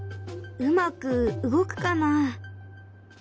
うまく動くかな。